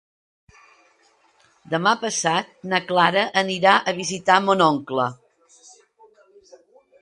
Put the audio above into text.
Demà passat na Clara anirà a visitar mon oncle.